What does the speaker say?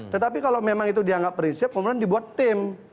tetapi kalau memang itu dianggap prinsip kemudian dibuat tim